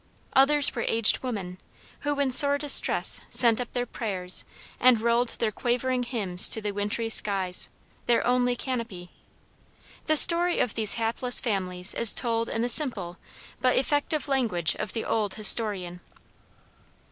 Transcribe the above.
Others were aged women, who in sore distress sent up their prayers and rolled their quavering hymns to the wintry skies, their only canopy. The story of these hapless families is told in the simple but effective language of the old historian.